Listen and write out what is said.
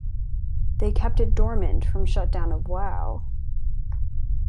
They kept it dormant from shutdown of Wow!